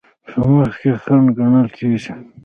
په مخ کې خنډ ګڼل کیږي.